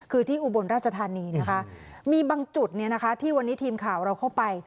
คือที่อุบลราชธานีนะคะมีบางจุดเนี่ยนะคะที่วันนี้ทีมข่าวเราเข้าไป